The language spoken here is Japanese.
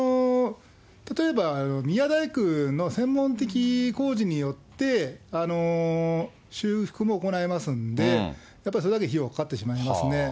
例えば宮大工の専門的工事によって、修復も行いますので、やっぱりそれだけの費用がかかってしまいますね。